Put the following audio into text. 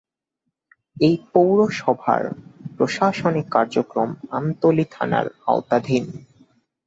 এ পৌরসভার প্রশাসনিক কার্যক্রম আমতলী থানার আওতাধীন।